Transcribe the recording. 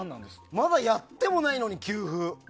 まだやってもないのに休符が。